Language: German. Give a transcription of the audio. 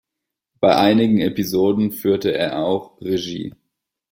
Bei einigen Episoden führte er auch Regie.